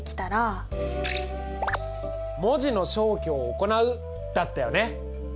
文字の消去を行う！だったよね。